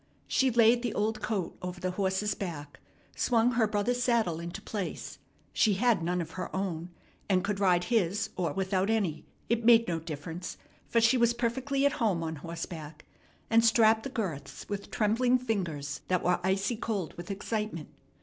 She laid the old coat over the horse's back, swung her brother's saddle into place, she had none of her own, and could ride his, or without any; it made no difference, for she was perfectly at home on horseback, and strapped the girths with trembling fingers that were icy cold with excitement.